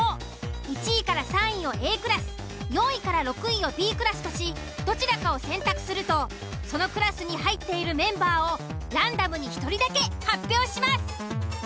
１位３位をＡクラス４位６位をＢクラスとしどちらかを選択するとそのクラスに入っているメンバーをランダムに１人だけ発表します。